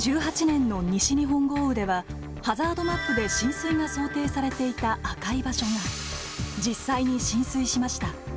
２０１８年の西日本豪雨では、ハザードマップで浸水が想定されていた赤い場所が、実際に浸水しました。